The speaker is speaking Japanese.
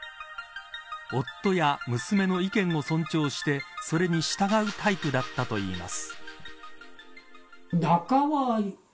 夫や娘の意見も尊重してそれに従うタイプだったといいます。